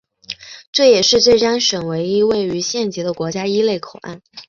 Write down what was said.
这也是浙江省唯一位于县级的国家一类口岸。